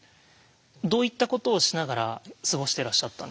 どういったことをしながら過ごしてらっしゃったんですか？